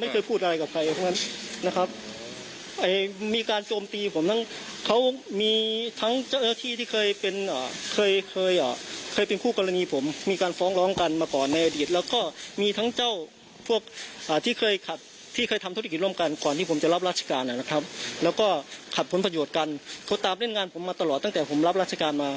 เขาตามเล่นงานผมมาตลอดตั้งแต่ผมรับราชการมา